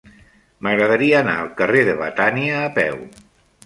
M'agradaria anar al carrer de Betània a peu.